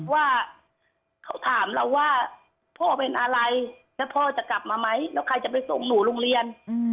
ว่าเขาถามเราว่าพ่อเป็นอะไรแล้วพ่อจะกลับมาไหมแล้วใครจะไปส่งหนูโรงเรียน